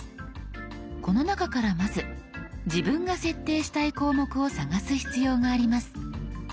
この中からまず自分が設定したい項目を探す必要があります。